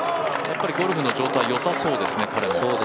やっぱりゴルフの状態よさそうですね、彼も。